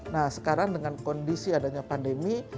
nah sekarang dengan kondisi adanya pandemi